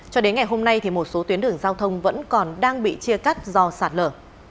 cho đến ngày hôm nay thì một số tuyến đường giao thông vẫn còn đang bị chia cắt do sạt lở